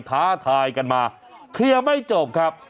ถาดมาไปไขกันมาคลีย์ไม่จบครับ